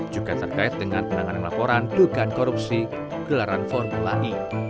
juga terkait dengan penanganan laporan dugaan korupsi gelaran formula e